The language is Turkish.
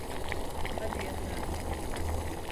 Hadi yatağa.